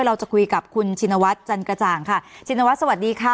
เราจะคุยกับคุณชินวัฒน์จันกระจ่างค่ะชินวัฒน์สวัสดีค่ะ